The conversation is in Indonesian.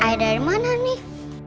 air dari mana nih